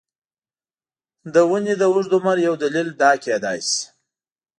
د ونې د اوږد عمر یو دلیل دا کېدای شي.